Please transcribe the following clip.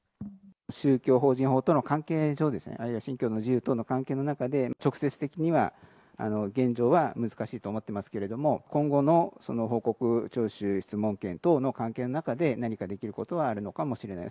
宗教法人法との関係上、あるいは信教の自由等との関係の中で、直接的には現状は難しいと思ってますけど、今後の報告徴収、質問権等の関係の中で、何かできることはあるのかもしれない。